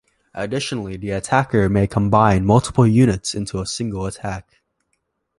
Additionally, the attacker may combine multiple units into a single attack.